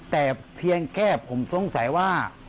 แต่เพียงแค่ผมสงสัยว่า